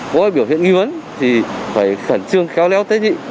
có biểu hiện nghi vấn thì phải khẩn trương khéo léo tế dị